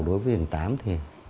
đối với thằng tám thì